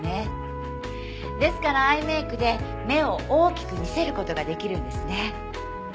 ですからアイメイクで目を大きく見せる事が出来るんですね。